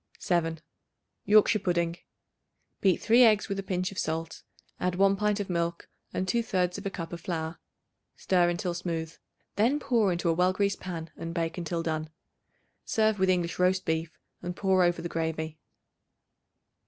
7. Yorkshire Pudding. Beat 3 eggs with a pinch of salt; add 1 pint of milk and 2/3 of a cup of flour. Stir until smooth. Then pour into a well greased pan and bake until done. Serve with English roast beef, and pour over the gravy.